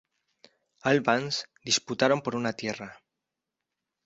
Albans disputaron por una tierra.